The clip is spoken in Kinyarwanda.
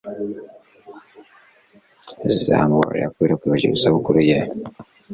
Azamubabarira kubera kwibagirwa isabukuru ye